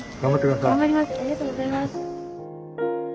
ありがとうございます。